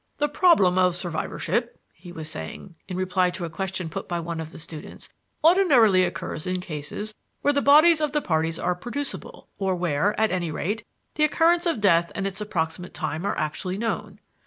"The problem of survivorship," he was saying, in reply to a question put by one of the students, "ordinarily occurs in cases where the bodies of the parties are producible, or where, at any rate, the occurrence of death and its approximate time are actually known.